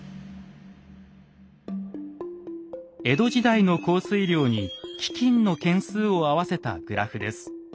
江戸時代の降水量に飢きんの件数を合わせたグラフです。